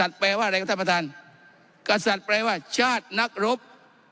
กัสตร์แปลว่าอะไรท่านประธานกัสตร์แปลว่าชาตินทรัพย์